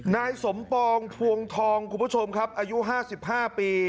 นายสมปองพวงทองคุณผู้ชมครับอายุ๕๕ปี